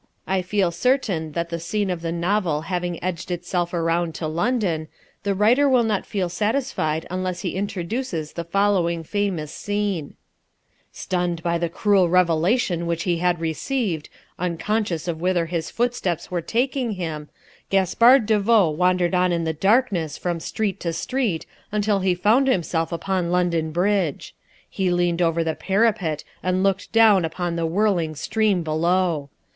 I feel certain that the scene of the novel having edged itself around to London, the writer will not feel satisfied unless he introduces the following famous scene: "Stunned by the cruel revelation which he had received, unconscious of whither his steps were taking him, Gaspard de Vaux wandered on in the darkness from street to street until he found himself upon London Bridge. He leaned over the parapet and looked down upon the whirling stream below.